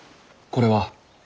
これは？